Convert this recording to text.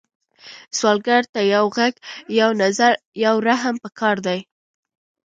سوالګر ته یو غږ، یو نظر، یو رحم پکار دی